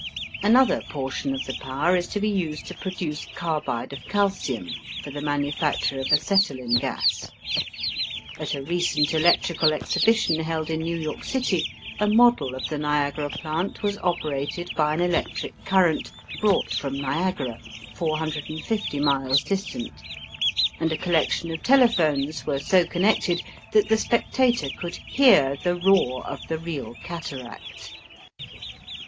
Another portion of the power is to be used to produce carbide of calcium for the manufacture of acetylene gas. At a recent electrical exhibition held in New York city a model of the Niagara plant was operated by an electric current brought from Niagara, 450 miles distant; and a collection of telephones were so connected that the spectator could hear the roar of the real cataract.